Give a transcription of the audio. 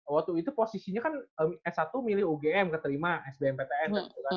waktu itu posisinya kan s satu milih ugm keterima sbm ptn